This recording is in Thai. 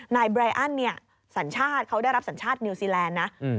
นายไรอันเนี่ยสัญชาติเขาได้รับสัญชาตินิวซีแลนด์นะ